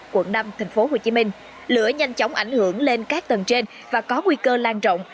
quận năm tp hcm lửa nhanh chóng ảnh hưởng lên các tầng trên và có nguy cơ lan rộng